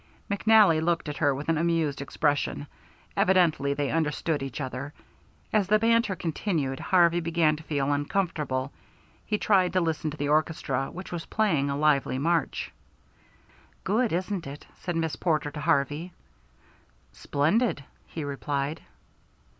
McNally looked at her with an amused expression. Evidently they understood each other. As the banter continued, Harvey began to feel uncomfortable. He tried to listen to the orchestra, which was playing a lively march. "Good, isn't it?" said Miss Porter to Harvey. "Splendid," he replied.